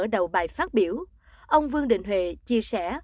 đầu bài phát biểu ông vương định huệ chia sẻ